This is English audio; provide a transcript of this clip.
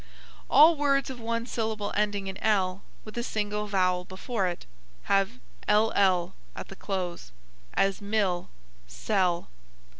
All words of one syllable ending in l, with a single vowel before it, have ll at the close; as mill, sell.